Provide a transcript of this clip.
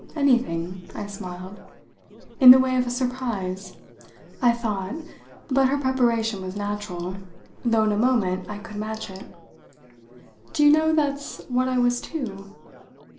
"Anything?" I smiled. "In the way of a surprise." I thought; but her preparation was natural, though in a moment I could match it. "Do you know that's what I was too?"